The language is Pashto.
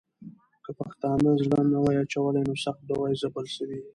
که پښتانه زړه نه وای اچولی، نو سخت به وای ځپل سوي.